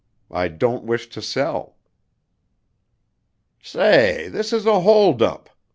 I don't wish to sell." "Say, this is a holdup!"